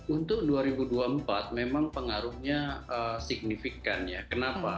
untuk dua ribu dua puluh empat memang pengaruhnya signifikan ya kenapa